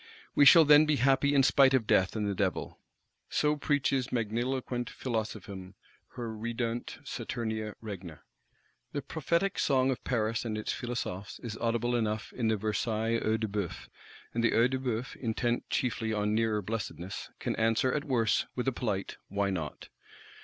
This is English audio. We shall then be happy in spite of Death and the Devil.—So preaches magniloquent Philosophism her Redeunt Saturnia regna. The prophetic song of Paris and its Philosophes is audible enough in the Versailles Œil de Bœuf; and the Œil de Bœuf, intent chiefly on nearer blessedness, can answer, at worst, with a polite 'Why not?